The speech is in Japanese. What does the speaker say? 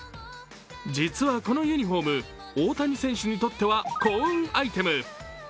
実はこのユニフォーム大谷選手にとっては幸運アイテム。